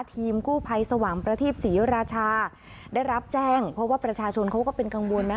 ทีมกู้ภัยสว่างประทีปศรีราชาได้รับแจ้งเพราะว่าประชาชนเขาก็เป็นกังวลนะ